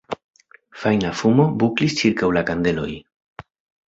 Fajna fumo buklis ĉirkaŭ la kandeloj.